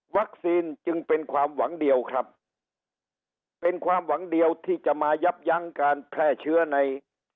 จึงเป็นความหวังเดียวครับเป็นความหวังเดียวที่จะมายับยั้งการแพร่เชื้อใน